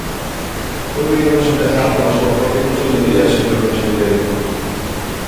Poderiamos empezar pola súa propia Consellería, señor conselleiro.